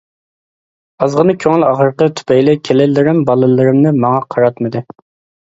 ئازغىنە كۆڭۈل ئاغرىقى تۈپەيلى كېلىنلىرىم بالىلىرىمنى ماڭا قاراتمىدى.